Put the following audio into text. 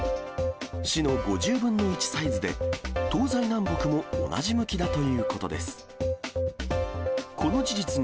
市の５０分の１サイズで、東西南北も同じ向きだということです。